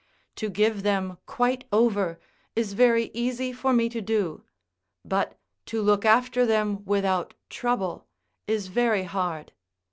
To give them quite over, is very easy for me to do: but to look after them without trouble, is very hard.